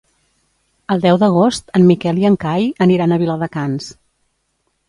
El deu d'agost en Miquel i en Cai aniran a Viladecans.